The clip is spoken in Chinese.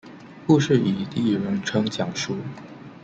故事以第一人称讲述。